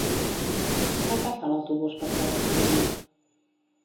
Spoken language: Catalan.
Quan passa l'autobús per Torre-serona?